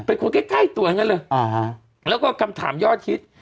เป็นคนใกล้ตัวอย่างนั้นเลยแล้วก็คำถามยอดฮิต